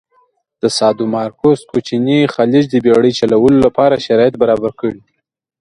د سادومارکوس کوچینی خلیج د بېړی چلولو لپاره شرایط برابر کړي.